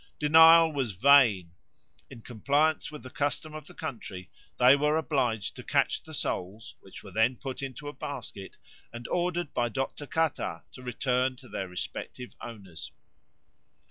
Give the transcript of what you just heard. Denial was vain; in compliance with the custom of the country they were obliged to catch the souls, which were then put into a basket and ordered by Dr. Catat to return to their respective owners.